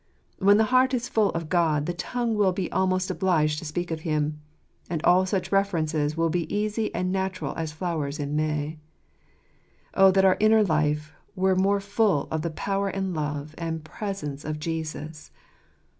When the heart is full of God, the tongue will be almost obliged to speak of Him ; and all such references will be easy and natural as flowers in May. Oh that our inner life were more full of the power and love and presence of Jesus